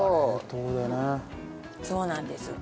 そうなんです。